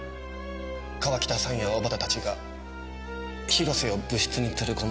川北さんや小幡たちが広瀬を部室に連れ込むのを。